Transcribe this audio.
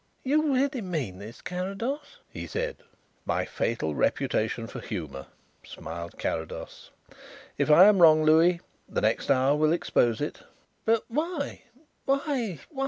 "You really mean this, Carrados?" he said. "My fatal reputation for humour!" smiled Carrados. "If I am wrong, Louis, the next hour will expose it." "But why why why?